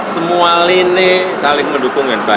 semua lini saling mendukung baik